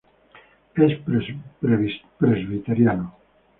Es presbiteriano.